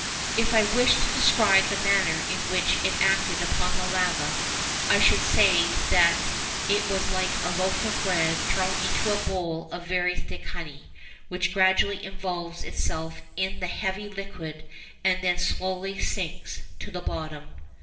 If I wished to describe the manner in which it acted upon the lava, I should say that it was like a loaf of bread thrown into a bowl of very thick honey, which gradually involves itself in the heavy liquid and then slowly sinks to the bottom.